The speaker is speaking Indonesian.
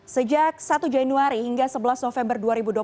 sejak satu januari hingga sebelas november dua ribu dua puluh